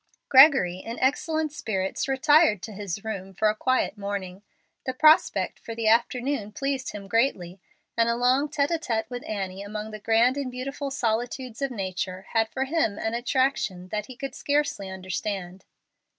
Gregory, in excellent spirits, retired to his room for a quiet morning. The prospect for the afternoon pleased him greatly, and a long tete a tete with Annie among the grand and beautiful solitudes of nature had for him an attraction that he could scarcely understand.